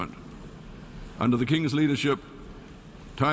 คุณพระเจ้าคุณพระเจ้า